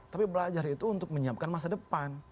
tapi belajar itu untuk menyiapkan masa depan